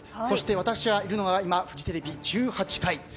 私がいるのはフジテレビ１８階。